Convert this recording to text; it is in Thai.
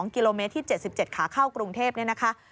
กิโลเมตรที่๗๗ขาเข้ากรุงเทพนี่นะคะ